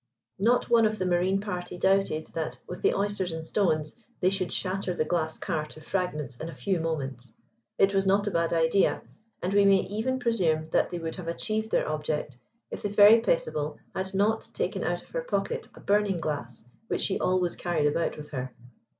Not one of the Marine party doubted that, with the oysters and stones, they should shatter the glass car to fragments in a few moments. It was not a bad idea, and we may even presume that they would have achieved their object if the Fairy Paisible had not taken out of her pocket a burning glass which she always carried about with her.